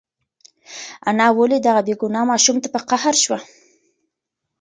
انا ولې دغه بېګناه ماشوم ته په قهر شوه؟